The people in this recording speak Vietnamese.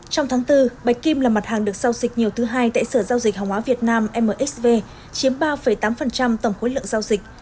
trong tháng bốn bạch kim là mặt hàng được giao dịch nhiều thứ hai tại sở giao dịch hàng hóa việt nam msv chiếm ba tám tổng khối lượng giao dịch